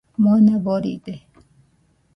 Mona boride